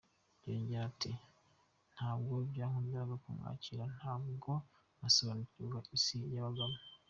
Yongeraho ati “Ntabwo byankundiraga kumwakira, ntabwo nasobanukirwaga Isi yabagamo.